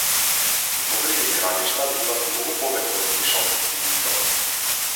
Добрите игралишта нудат многу повеќе од нишалки и лизгалки.